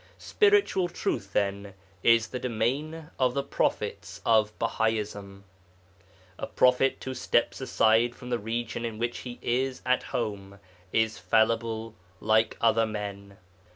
Spiritual truth, then, is the domain of the prophets of Bahaism. A prophet who steps aside from the region in which he is at home is fallible like other men.